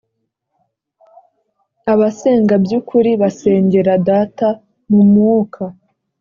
abasenga by ukuri basengera Data mu Mwuka